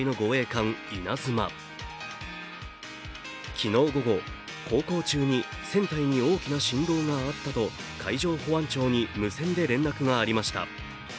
昨日午後、航行中に船体に大きな振動があったと海上保安庁に無線で連絡がありました。